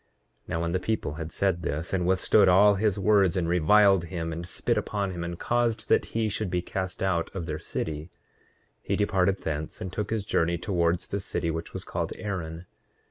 8:13 Now when the people had said this, and withstood all his words, and reviled him, and spit upon him, and caused that he should be cast out of their city, he departed thence and took his journey towards the city which was called Aaron.